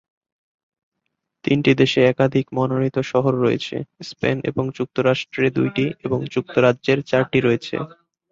তিনটি দেশে একাধিক মনোনীত শহর রয়েছে: স্পেন এবং যুক্তরাষ্ট্রে দুইটি রয়েছে এবং যুক্তরাজ্যের চারটি রয়েছে।